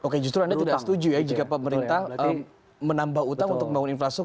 oke justru anda tetap setuju ya jika pemerintah menambah utang untuk membangun infrastruktur